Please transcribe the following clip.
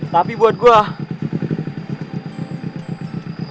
tapi buat gue